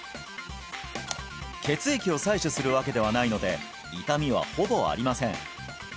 血液を採取するわけではないので痛みはほぼありません